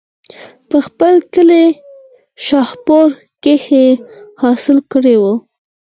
پۀ خپل کلي شاهپور کښې حاصل کړے وو